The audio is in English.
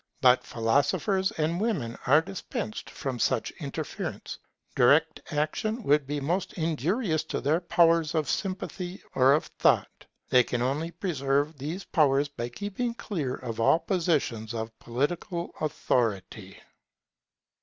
But philosophers and women are dispensed from such interference. Direct action would be most injurious to their powers of sympathy or of thought. They can only preserve these powers by keeping clear of all positions of political authority.